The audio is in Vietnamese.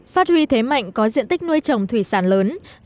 phát huy thế mạnh có diện tích nuôi trồng thủy sản lớn